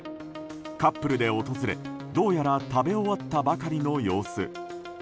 カップルで訪れ、どうやら食べ終わったばかりの様子。